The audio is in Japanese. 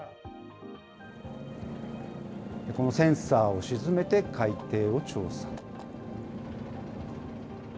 このセンサーを沈めて、海底を調査。